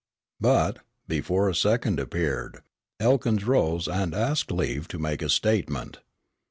But, before a second appeared, Elkins arose and asked leave to make a statement.